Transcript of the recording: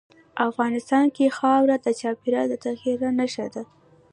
افغانستان کې خاوره د چاپېریال د تغیر نښه ده.